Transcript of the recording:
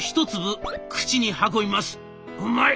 「うまい。